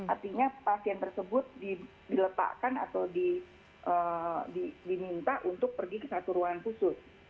artinya pasien tersebut diletakkan atau diminta untuk pergi ke satu ruangan khusus